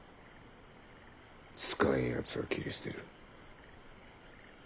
使えんやつは切り捨てる。